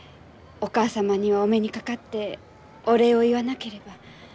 お母様にはお目にかかってお礼を言わなければ。